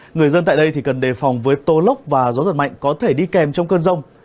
người dân tại đây thì cần đề phòng với tô lốc và gió giật mạnh có thể đi kèm trong cơn rông